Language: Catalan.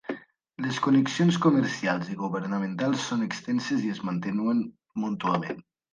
Les connexions comercials i governamentals són extenses i es mantenen mútuament.